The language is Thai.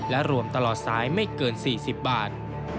และรวมตลอดสายไม่เกิน๔๐บาท